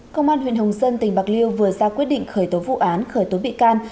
công an huyện hồng dân tỉnh bạc liêu vừa ra quyết định khởi tố vụ án khởi tố bị can